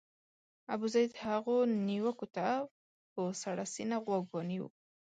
ابوزید هغو نیوکو ته په سړه سینه غوږ ونیو.